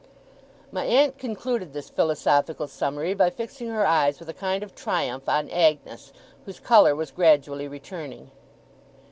My aunt concluded this philosophical summary, by fixing her eyes with a kind of triumph on Agnes, whose colour was gradually returning.